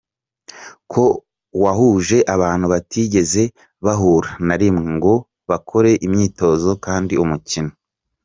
ko wahuje abantu batigeze bahura na rimwe ngo bakore imyitozo kandi umukino.